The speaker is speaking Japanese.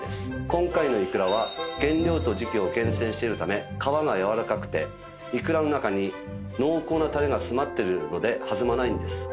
今回のいくらは原料と時季を厳選しているため皮がやわらかくていくらの中に濃厚なタレが詰まってるので弾まないんです。